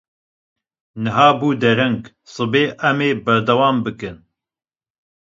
Niha bû dereng, sibê em ê berdewam bikin.